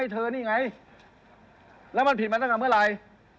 ไม่มีสิทธิ์ตามกฎหมาย